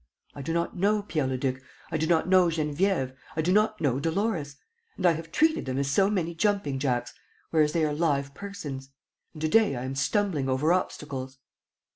I do not know Pierre Leduc, I do not know Geneviève, I do not know Dolores. ... And I have treated them as so many jumping jacks, whereas they are live persons. And to day I am stumbling over obstacles."